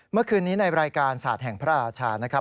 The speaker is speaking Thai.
เมื่อคืนนี้ในรายการศาสตร์แห่งพระราชานะครับ